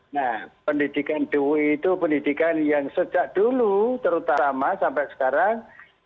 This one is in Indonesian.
nah pendidikan dui itu pendidikan yang sejak dulu terutama sampai sekarang